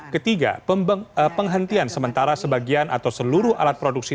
ketiga penghentian sementara sebagian atau seluruh alat produksi